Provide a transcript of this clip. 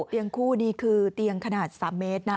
เตียงคู่นี่คือเตียงขนาด๓เมตรนะ